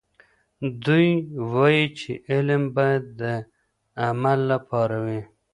دوی وایي چې علم باید د عمل لپاره وي.